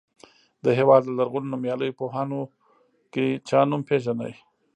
د هېواد له لرغونو نومیالیو پوهانو کې چا نوم پیژنئ.